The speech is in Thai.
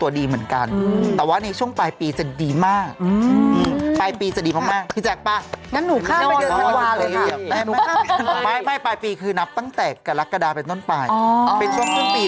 รวมของคนบรรพธรรมเท่านี้นะคะการงานของคุณเนี่ย